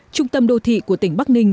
trung tâm đô thị của tỉnh bắc ninh